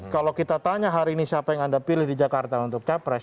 kalau kita tanya hari ini siapa yang anda pilih di jakarta untuk capres